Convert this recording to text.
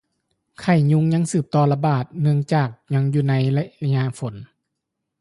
ໄຂ້ຍຸງຍັງສືບຕໍ່ລະບາດ ເນື່ອງຈາກຍັງຢູ່ໃນໄລຍະຝົນ